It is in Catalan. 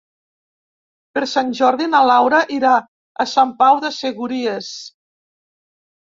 Per Sant Jordi na Laura irà a Sant Pau de Segúries.